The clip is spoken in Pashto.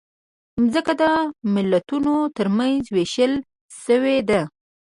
مځکه د ملتونو ترمنځ وېشل شوې ده.